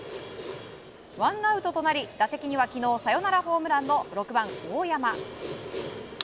１アウトとなり打席には昨日、サヨナラホームランの大山。